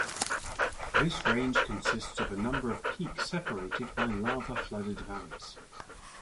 This range consists of a number of peaks separated by lava-flooded valleys.